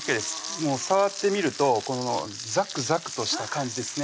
もう触ってみるとこのざくざくとした感じですね